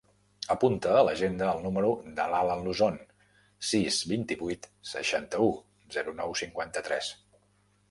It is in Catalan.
Apunta a l'agenda el número de l'Alan Luzon: sis, vint-i-vuit, seixanta-u, zero, nou, cinquanta-tres.